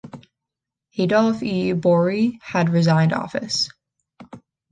Adolph E. Borie had resigned office.